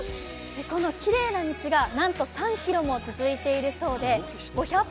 このきれいな道がなんと３ｋｍも続いているそうで５００